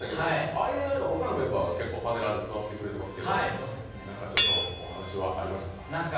ＩＮＩの他のメンバーがパネラーで座ってくれてますけどちょっとお話はありましたか？